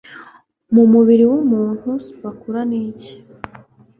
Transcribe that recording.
Mu mubiri w'umuntu Scapula ni iki